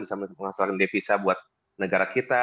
bisa menghasilkan devisa buat negara kita